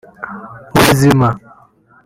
Ubuzima